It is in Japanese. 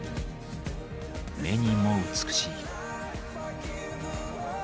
目にも美しい。